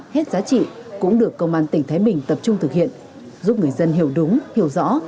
hết giá trị cũng được công an tỉnh thái bình tập trung thực hiện giúp người dân hiểu đúng hiểu rõ